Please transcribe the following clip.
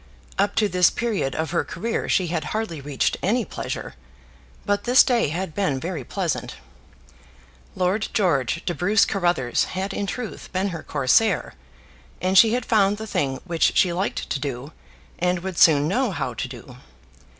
Up to this period of her career she had hardly reached any pleasure; but this day had been very pleasant. Lord George de Bruce Carruthers had in truth been her Corsair, and she had found the thing which she liked to do, and would soon know how to do.